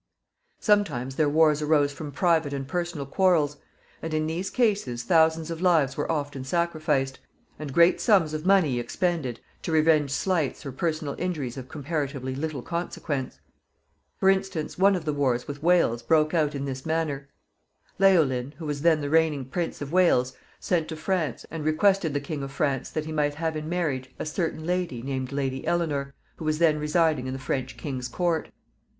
Sometimes their wars arose from private and personal quarrels, and in these cases thousands of lives were often sacrificed, and great sums of money expended to revenge slights or personal injuries of comparatively little consequence. For instance, one of the wars with Wales broke out in this manner. Leolin, who was then the reigning Prince of Wales, sent to France, and requested the King of France that he might have in marriage a certain lady named Lady Eleanor, who was then residing in the French king's court.